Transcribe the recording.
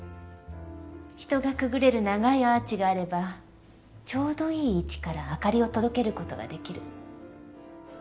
人がくぐれる長いアーチがあればちょうどいい位置から明かりを届けることができる。